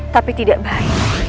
tapi tidak baik